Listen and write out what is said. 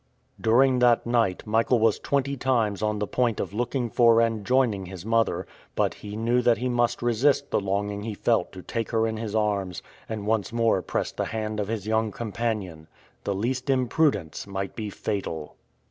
During that night, Michael was twenty times on the point of looking for and joining his mother; but he knew that he must resist the longing he felt to take her in his arms, and once more press the hand of his young companion. The least imprudence might be fatal.